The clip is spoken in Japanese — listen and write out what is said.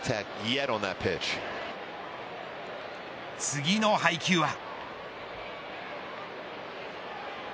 次の配球は。